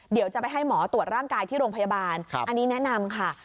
เดี๋ยวจะไปให้หมอตรวจร่างกายที่โรงพยาบาลอันนี้แนะนำค่ะ